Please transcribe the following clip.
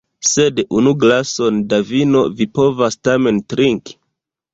Sed unu glason da vino vi povas tamen trinki?